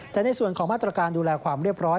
แต่ในส่วนของมาตรการดูแลความเรียบร้อย